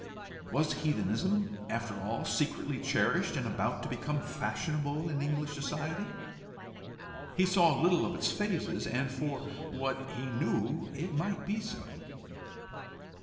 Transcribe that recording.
Was heathenism after all secretly cherished, and about to become fashionable in English society? He saw little of its phases, and for what he knew it might be so.